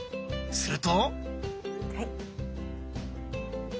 すると。